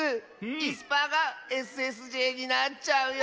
いすパーがＳＳＪになっちゃうよ。